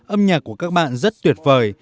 âm nhạc của các bạn rất tuyệt vời